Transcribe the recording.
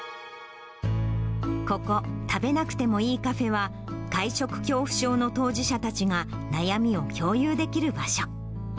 ここ、食べなくてもいいカフェは、会食恐怖症の当事者たちが悩みを共有できる場所。